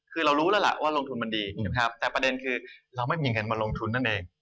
คือเรารู้แล้วล่ะว่าลงทุนมันดีนะครับแต่ประเด็นคือเราไม่มีเงินมาลงทุนนั่นเอง